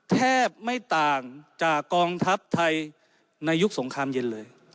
แทบไม่ต่างจากกองทัพไทยในยุคสงครามเย็นเลย